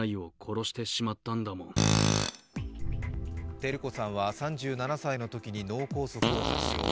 照子さんは３７歳のときに脳梗塞を発症。